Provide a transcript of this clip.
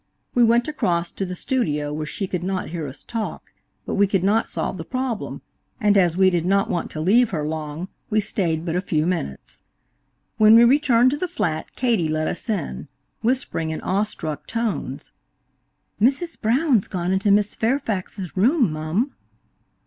We went across to the studio where she could not hear us talk, but we could not solve the problem, and as we did not want to leave her long we stayed but a few minutes. When we returned to the flat Katie let us in, whispering in awe struck tones: "Mrs. Brown's gone into Miss Fairfax's room, mum."